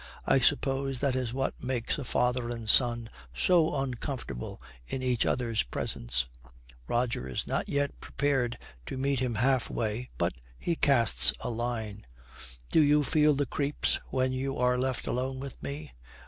I suppose that is what makes a father and son so uncomfortable in each other's presence.' Roger is not yet prepared to meet him half way, but he casts a line. 'Do you feel the creeps when you are left alone with me?'